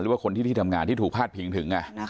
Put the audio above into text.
หรือว่าคนที่ที่ทำงานที่ถูกพาดพิงถึง